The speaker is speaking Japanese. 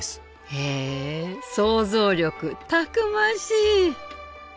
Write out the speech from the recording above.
へえ想像力たくましい。